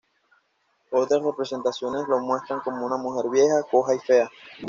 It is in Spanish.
Otras representaciones la muestran como una mujer vieja, coja y fea.